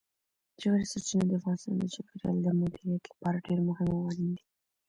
ژورې سرچینې د افغانستان د چاپیریال د مدیریت لپاره ډېر مهم او اړین دي.